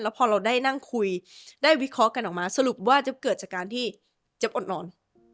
พอเราได้นั่งคุยได้วิเคราะห์กันออกมาสรุปว่าเจ๊บเกิดจากการที่เจ๊บอดนอน